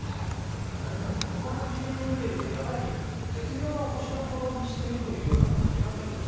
柳澤さんほかの事例を見ているとやはり絶妙な落としどころにしているという感じなんでしょうかね。